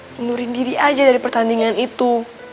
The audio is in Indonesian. mundurin diri aja dari pertandingan itu